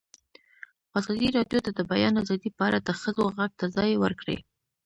ازادي راډیو د د بیان آزادي په اړه د ښځو غږ ته ځای ورکړی.